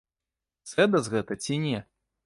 Сэдас гэта ці не?